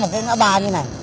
một cái ngã bà như này